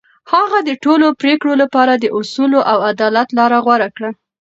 هغه د ټولو پرېکړو لپاره د اصولو او عدالت لار غوره کړه.